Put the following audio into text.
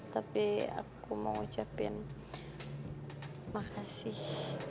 tapi aku mau ucapin makasih